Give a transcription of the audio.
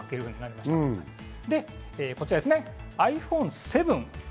そしてｉＰｈｏｎｅ７。